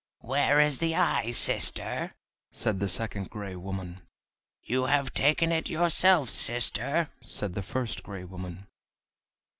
"Where is the eye, sister?" said the second gray woman. "You have taken it yourself, sister," said the first gray woman.